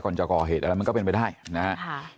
ก่อนจะกอเหตุเดี๋ยวล่ะมันก็เป็นไปได้นะฮะ